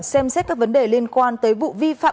xem xét các vấn đề liên quan tới vụ vi phạm